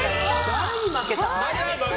誰に負けた？